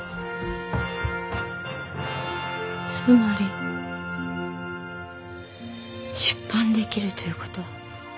つまり出版できるという事？